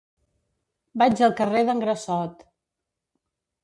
Vaig al carrer d'en Grassot.